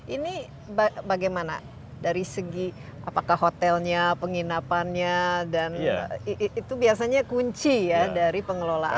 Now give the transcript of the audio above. ini bagaimana dari segi apakah hotelnya penginapannya dan itu biasanya kunci ya dari pengelolaan